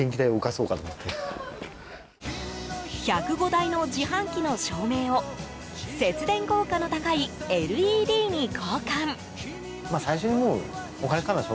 １０５台の自販機の照明を節電効果の高いＬＥＤに交換。